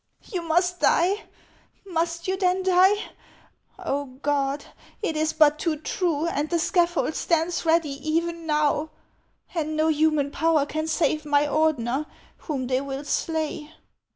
" You must die ! Must you then die ? Oh, Gud ! it is but too true, and the scaffold stands ready even now ; and no human power can save my Ordener, whom they will slay